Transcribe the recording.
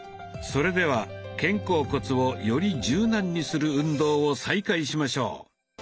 それでは肩甲骨をより柔軟にする運動を再開しましょう。